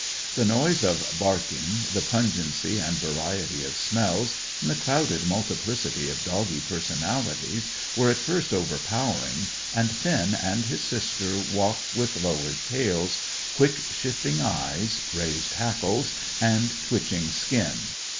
The noise of barking, the pungency and variety of smells, and the crowded multiplicity of doggy personalities were at first overpowering, and Finn and his sister walked with lowered tails, quick shifting eyes, raised hackles, and twitching skin.